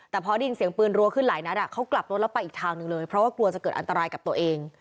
แต่พอได้ยินเสียงปืนรัวขึ้นหลายนัดเขากลับรถแล้วไปอีกทางหนึ่งเลยเพราะว่ากลัวจะเกิดอันตรายกับตัวเอง